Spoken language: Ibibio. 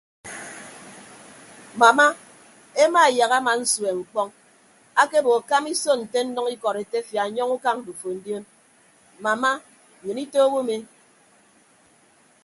Mama emaeyak ama nsueñ mkpọñ akebo kama iso nte nnʌñ ikọd etefia nyọñ ukañ ndufo ndion mama nnyịn itoho umi.